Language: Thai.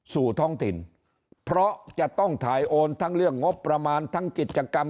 สู่ท้องถิ่นเพราะจะต้องถ่ายโอนทั้งเรื่องงบประมาณทั้งกิจกรรม